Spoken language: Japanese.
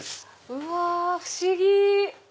うわ不思議！